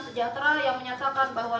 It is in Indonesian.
sejahtera yang menyatakan bahwa